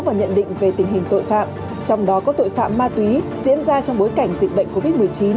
và nhận định về tình hình tội phạm trong đó có tội phạm ma túy diễn ra trong bối cảnh dịch bệnh covid một mươi chín